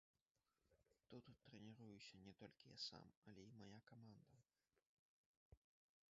Тут трэніруюся не толькі я сам, але і мая каманда.